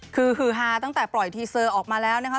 คือฮือฮาตั้งแต่ปล่อยทีเซอร์ออกมาแล้วนะคะ